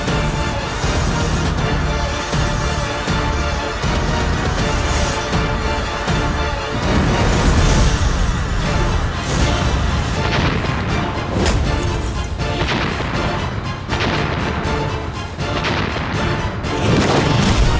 dan menangkap kake guru